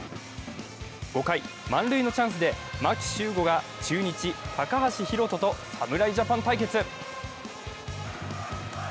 ５回、満塁のチャンスで牧秀悟が中日・高橋宏斗と侍ジャパン対決。